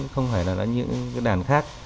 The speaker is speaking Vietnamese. không phải là những đàn khác